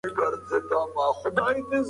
ګرافيک ډيزاين کې پښتو وکاروئ.